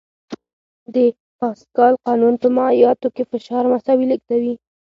د پاسکال قانون په مایعاتو کې فشار مساوي لېږدوي.